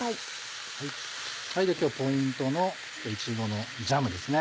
今日ポイントのいちごのジャムですね。